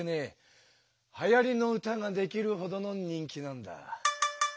はやりの歌ができるほどの人気なんだ。